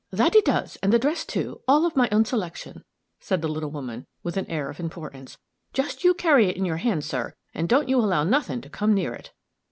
"That it does, and the dress, too, all of my own selection," said the little woman, with an air of importance. "Just you carry it in your hand, sir, and don't you allow nothing to come near it."